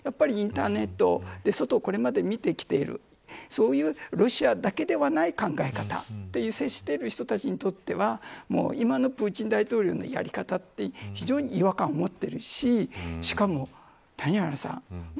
インターネットで外をこれまで見てきているそういうロシアだけではない考え方に接している人たちにとっては今のプーチン大統領のやり方は非常に違和感を持っているししかも、谷原さん